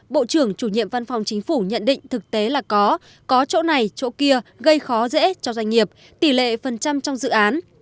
bộ trưởng chủ nhiệm văn phòng chính phủ nhận định thực tế là có chỗ này chỗ kia gây khó dễ cho doanh nghiệp tỷ lệ phần trăm trong dự án